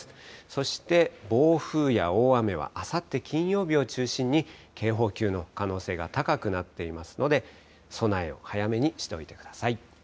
そして暴風や大雨はあさって金曜日を中心に、警報級の可能性が高くなっていますので、備えを早めにしておいてください。